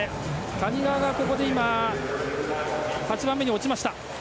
谷川がここで８番目に落ちました。